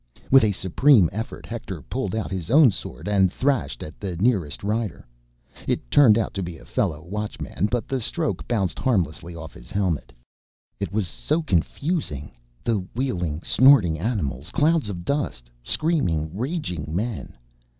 With a supreme effort, Hector pulled out his own sword and thrashed at the nearest rider. It turned out to be a fellow Watchman, but the stroke bounced harmlessly off his helmet. It was so confusing. The wheeling, snorting animals. Clouds of dust. Screaming, raging men.